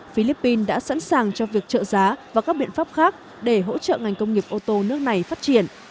philippines đã sẵn sàng cho việc trợ giá và các biện pháp khác để hỗ trợ ngành công nghiệp ô tô nước này phát triển